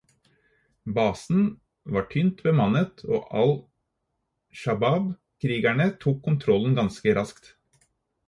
Basen var tynt bemannet, og al-Shabaab-krigerne tok kontrollen ganske raskt.